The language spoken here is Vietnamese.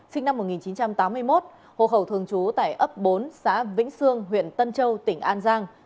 sinh năm một nghìn chín trăm tám mươi một hộ khẩu thường trú tại ấp bốn xã vĩnh sương huyện tân châu tỉnh an giang